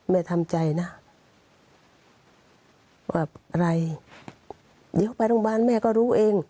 ทำใจนะว่าอะไรเดี๋ยวไปโรงพยาบาลแม่ก็รู้เอง